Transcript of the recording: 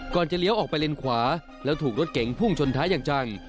จะเลี้ยวออกไปเลนขวาแล้วถูกรถเก๋งพุ่งชนท้ายอย่างจัง